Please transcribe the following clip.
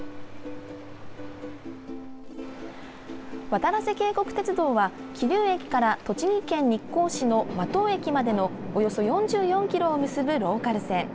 わたらせ渓谷鐵道は、桐生駅から栃木県日光市の間藤駅までのおよそ４４ｋｍを結ぶローカル線。